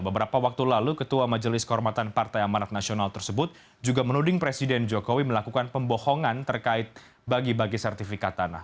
beberapa waktu lalu ketua majelis kehormatan partai amanat nasional tersebut juga menuding presiden jokowi melakukan pembohongan terkait bagi bagi sertifikat tanah